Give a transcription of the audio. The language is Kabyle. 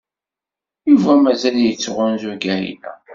Yuba mazal yettɣunzu Kahina.